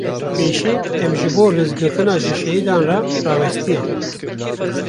Pêşî em ji bo rêzgirtina ji şehîdan re rawestiyan.